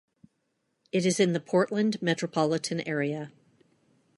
It is in the Portland metropolitan area.